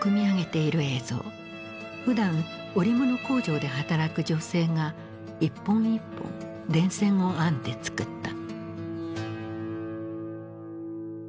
ふだん織物工場で働く女性が一本一本電線を編んで作った。